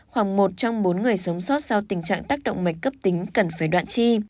khoảng một trong bốn người sống sót sau tình trạng tác động mạch cấp tính cần phải đoạn chi